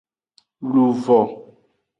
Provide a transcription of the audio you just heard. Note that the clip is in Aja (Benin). Luvo.